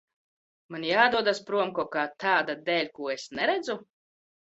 Man jādodas prom kaut kā tāda dēļ, ko es neredzu?